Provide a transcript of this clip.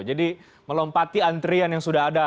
jadi melompati antrian yang sudah ada